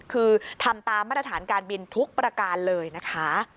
คือทำตามมาตรฐานการบินทุกประการเลยนะคะ